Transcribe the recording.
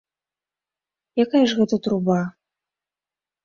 Якая ж гэта труба?